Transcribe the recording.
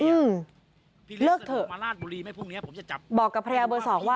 หมอปลาก็หลังจากที่คุยกับเฮเล็กไปแล้ว